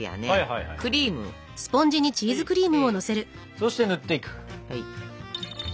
そして塗っていく。